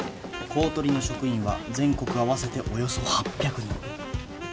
公取の職員は全国合わせておよそ８００人。